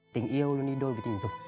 tình yêu luôn đi đôi với tình dục